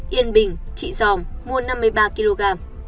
yên bình trị giòm mua năm mươi ba kg